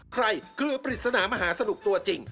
เครือปริศนามหาสนุกตัวจริง